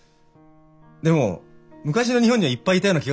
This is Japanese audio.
でも昔の日本にはいっぱいいたような気がするんですよ